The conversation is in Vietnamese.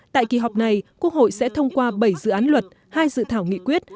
tại kỳ họp này quốc hội sẽ thông qua bảy dự án luật hai dự thảo nghị quyết